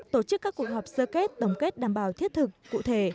tổ chức các cuộc họp sơ kết tổng kết đảm bảo thiết thực cụ thể